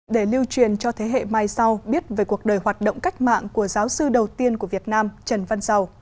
để lưu truyền cho thế hệ mai sau biết về cuộc đời hoạt động cách mạng của giáo sư đầu tiên của việt nam trần văn dầu